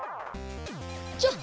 ちょっ！